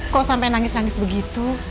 kok sampai nangis nangis begitu